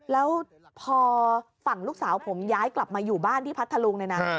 แล้วพอฝั่งลูกสาวผมย้ายกลับมาอยู่บ้านที่พัทธลุงเนี่ยนะ